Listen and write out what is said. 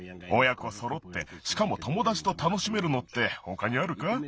おや子そろってしかもともだちとたのしめるのってほかにあるか？